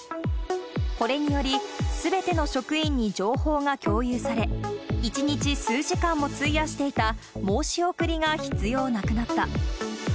これにより、すべての職員に情報が共有され、１日数時間も費やしていた申し送りが必要なくなった。